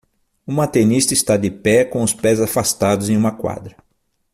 Uma tenista está de pé com os pés afastados em uma quadra.